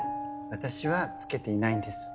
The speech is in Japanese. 私はつけていないんです。